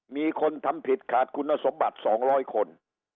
มีคนทำผิดขาดคุณสมบัติ๒๐๐คน